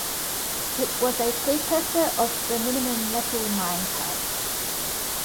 It was a precursor of the minimum metal mine type.